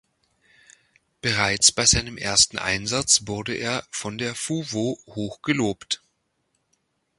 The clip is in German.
Bereits bei seinem ersten Einsatz wurde er von der fuwo hoch gelobt.